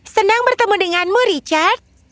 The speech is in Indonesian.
senang bertemu denganmu richard